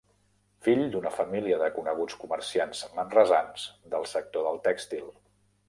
Fill d'una família de coneguts comerciants manresans del sector del tèxtil.